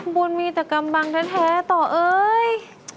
บุญมีแต่กำบังแท้ต่อเอ้ย